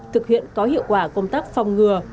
thực hiện có hiệu quả công tác phòng ngừa